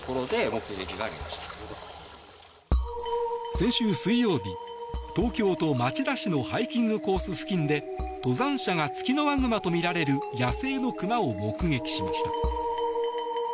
先週水曜日、東京都町田市のハイキングコース付近で登山者がツキノワグマとみられる野生のクマを目撃しました。